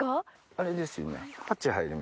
あれですよね？